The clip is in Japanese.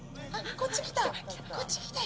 こっち来たよ。